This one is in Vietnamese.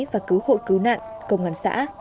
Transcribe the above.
và cứu hộ cứu nạn công an xã